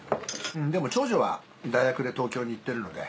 でも長女は大学で東京に行ってるので。